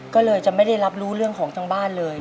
ก็เลยจะไม่ได้รับรู้เรื่องของทั้งบ้านเลย